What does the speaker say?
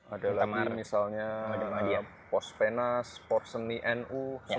ada lahan misalnya pos penas porseni nu